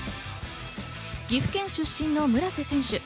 岐阜県出身の村瀬選手。